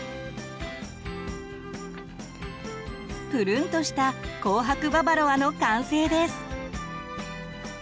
ぷるんとした「紅白ババロア」の完成です！